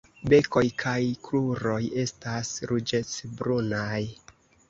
Bekoj kaj kruroj estas ruĝecbrunaj.